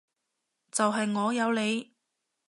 就係我有你